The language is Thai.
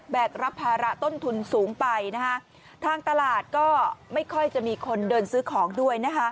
กรับภาระต้นทุนสูงไปนะคะทางตลาดก็ไม่ค่อยจะมีคนเดินซื้อของด้วยนะคะ